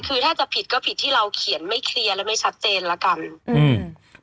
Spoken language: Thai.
คือถ้าจะผิดก็ผิดที่เราเขียนไม่เคลียร์และไม่ชัดเจนแล้วกันอืม